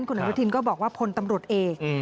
คุณอนุทินก็บอกว่าพลตำรวจเอก